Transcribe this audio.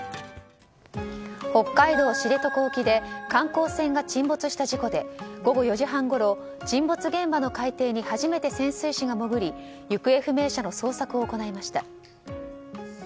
北海道知床沖で観光船が沈没した事故で午後４時半ごろ沈没現場の海底に初めて潜水士が巡り行方不明者の捜索が始まりました。